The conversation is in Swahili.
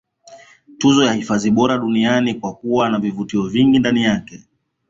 Tuzo ya hifadhi bora duniani kwa kuwa na vivutio vingi ndani yake